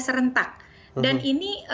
serentak dan ini